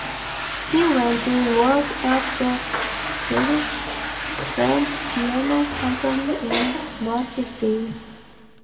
He went to work at the Jesse French Piano Company in Nashville.